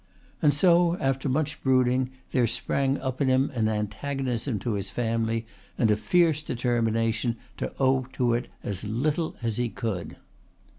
And so after much brooding, there sprang up in him an antagonism to his family and a fierce determination to owe to it as little as he could.